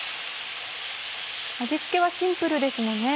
味付けはシンプルですね。